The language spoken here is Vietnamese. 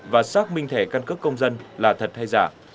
và xác minh thẻ căn cước công dân là thật hay giả